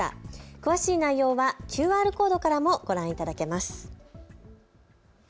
詳しい内容はＱＲコードからもご覧いただけます。